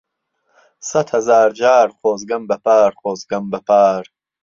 سهد ههزار جار خۆزگهم به پار، خۆزگهم به پار